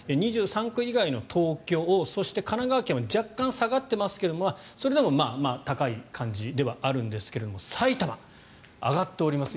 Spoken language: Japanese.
２３区以外の東京、そして神奈川県は若干下がっていますがそれでも高い感じではあるんですが埼玉、上がっています。